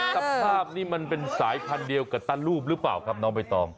สภาพนี้มันเป็นสายพันธุ์เดียวกับตารูปหรือเปล่าครับน้องใบตอง